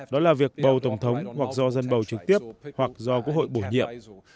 đó là việc bầu tổng thống hoặc do dân bầu trực tiếp hoặc do quốc hội bổ nhiệm